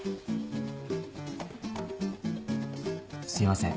すいません。